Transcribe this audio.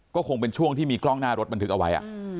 ก็คงเป็นช่วงที่มีกล้องหน้ารถบันทึกเอาไว้